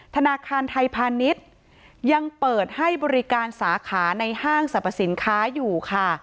ธนาคารไทยพาณิชย์ยังเปิดให้บริการสาขาในห้างสรรพสินค้าอยู่ค่ะ